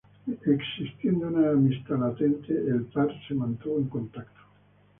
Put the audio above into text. Existiendo una amistad latente, el par se mantuvo en contacto.